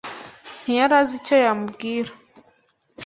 Ntiyari azi icyo yamubwira.